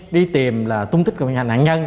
đi tìm là tung tích của nạn nhân